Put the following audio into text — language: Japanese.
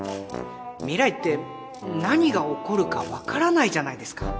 未来って何が起こるかわからないじゃないですか。